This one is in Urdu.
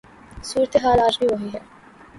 صورت حال آج بھی وہی ہے۔